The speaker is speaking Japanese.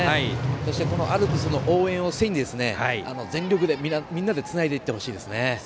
そしてこのアルプスの応援を背に全力でみんなでつないでいってほしいですね。